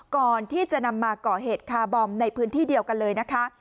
ก่อนที่จะนำมาก่อเหตุคาร์บอมในพื้นที่เดียวกันเลยนะคะ